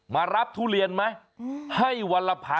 มารับทุเรียนไหมให้วันละพัน